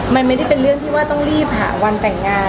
มันไม่ได้เป็นเรื่องที่ว่าต้องรีบหาวันแต่งงาน